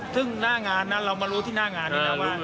ซึ่งหน้างานนั้นเรามารู้ที่หน้างานนี้นะว่า